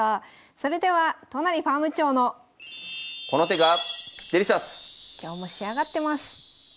それでは都成ファーム長の今日も仕上がってます。